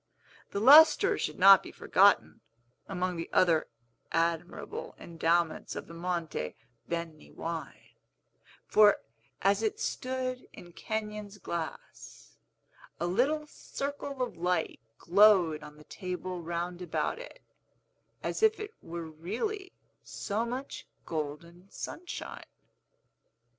The lustre should not be forgotten, among the other admirable endowments of the Monte Beni wine; for, as it stood in Kenyon's glass, a little circle of light glowed on the table round about it, as if it were really so much golden sunshine.